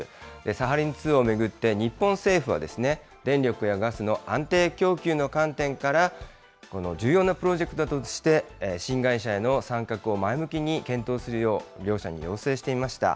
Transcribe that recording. サハリン２を巡って日本政府は、電力やガスの安定供給の観点から、重要なプロジェクトだとして、新会社への参画を前向きに検討するよう両社に要請していました。